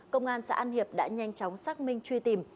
công an xã an hiệp đã nhanh chóng xác minh truy tìm